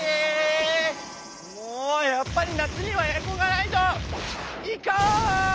もうやっぱり夏にはエアコンがないと！